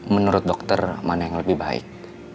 menurut dokter mana yang lebih baik